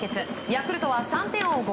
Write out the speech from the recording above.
ヤクルトは３点を追う